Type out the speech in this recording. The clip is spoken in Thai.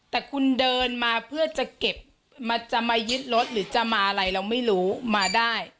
แต่คุณเดินมาเพื่อจะเก็บจะมายึดรถหรือจะมาอะไรเราไม่รู้มาได้